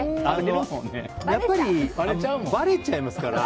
やっぱり、ばれちゃいますから。